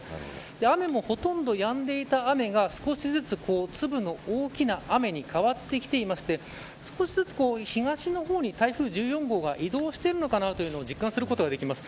雨も、ほとんどやんでいた雨が少しずつ粒の大きな雨に変わってきていまして少しずつ東の方に台風１４号が移動しているのかなというのを実感することができます。